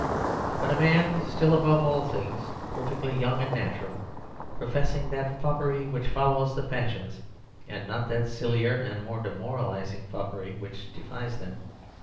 But a man still above all things perfectly young and natural, professing that foppery which follows the fashions, and not that sillier and more demoralising foppery which defies them.